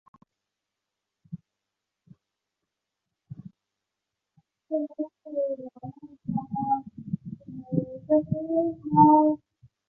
捷克斯洛伐克经济严重依存外贸。